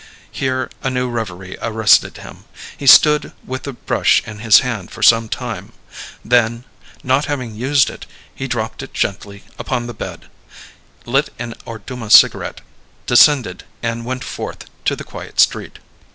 Here a new reverie arrested him; he stood with the brush in his hand for some time; then, not having used it, he dropped it gently upon the bed, lit an Orduma cigarette, descended, and went forth to the quiet street.